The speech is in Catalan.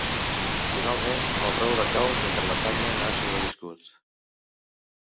Finalment, el roure cau mentre la canya ha sobreviscut.